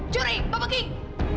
curi bapak king